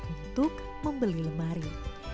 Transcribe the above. untuk membeli lemari